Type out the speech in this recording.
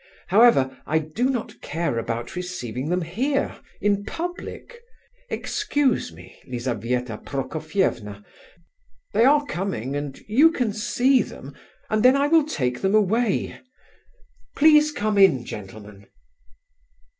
However, I do not care about receiving them here, in public. Excuse me, Lizabetha Prokofievna. They are coming, and you can see them, and then I will take them away. Please come in, gentlemen!"